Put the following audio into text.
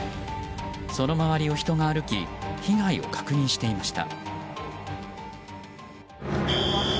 その周りを人が歩き被害を確認していました。